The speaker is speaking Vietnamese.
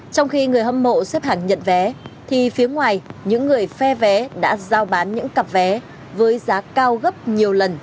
trong khi người hâm mộ xếp hàng nhận vé thì phía ngoài những người phe vé đã giao bán những cặp vé với giá cao gấp nhiều lần